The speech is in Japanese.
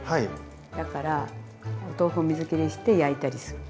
だからお豆腐を水きりして焼いたりするの。